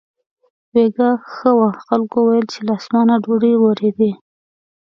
بېګاه ښه و، خلکو ویل چې له اسمانه ډوډۍ ورېدلې.